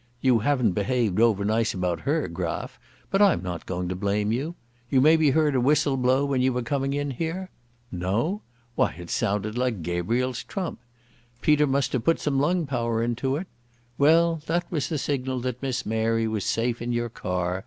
You haven't behaved over nice about her, Graf, but I'm not going to blame you. You maybe heard a whistle blow when you were coming in here? No! Why, it sounded like Gabriel's trump. Peter must have put some lung power into it. Well, that was the signal that Miss Mary was safe in your car